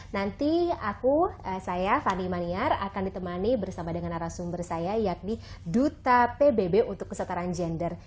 nanti aku saya fani maniar akan ditemani bersama dengan arah sumber saya yakni duta pbb untuk kesetaraan gender